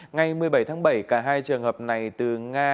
ngày một mươi bảy tháng bảy cả hai trường hợp này từ nga